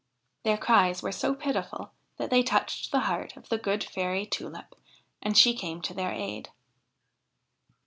Their cries were so pitiful that they touched the heart of the good Fairy Tulip, and she came to their aid.